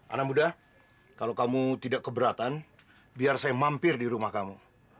anak muda kalau kamu tidak keberatan biar saya mampir di rumah kamu